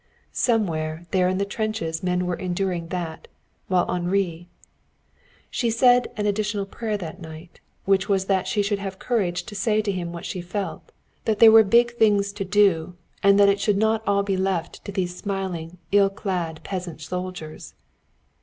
Somewhere there in the trenches men were enduring that, while Henri She said a little additional prayer that night, which was that she should have courage to say to him what she felt that there were big things to do, and that it should not all be left to these smiling, ill clad peasant soldiers.